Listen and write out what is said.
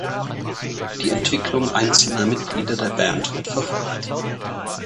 Die Entwicklung einzelner Mitglieder der Band wird verfolgt.